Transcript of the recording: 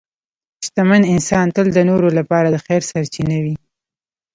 شتمن انسان تل د نورو لپاره د خیر سرچینه وي.